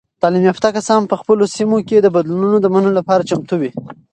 تعلیم یافته کسان په خپلو سیمو کې د بدلونونو د منلو لپاره چمتو وي.